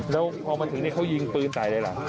แล้วพอมันถึงให้เขายิงปืนไฟเลยหรือ